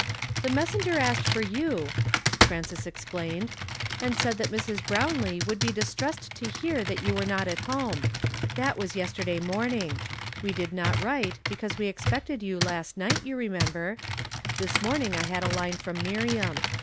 " Ibe messenger asked for you," Frances ex plained, " and said tbat Mrs. Brownlee would be 148 YESTERDAY FRAMED IN TO DAY. m< distressed to hear that you were not at home. That was yesterday morning ; we did not write, because we expected you last night, you remember. This morning I had a line from Miriam.